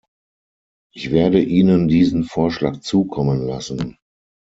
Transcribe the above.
Ich werde Ihnen diesen Vorschlag zukommen lassen.